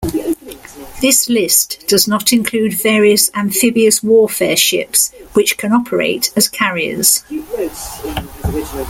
This list does not include various amphibious warfare ships which can operate as carriers.